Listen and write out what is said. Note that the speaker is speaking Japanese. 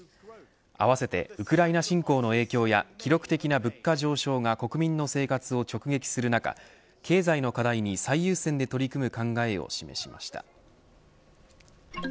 合わせてウクライナ侵攻の影響や記録的な物価上昇が国民の生活を直撃する中経済の課題に最優先で取り組む考えを示しました。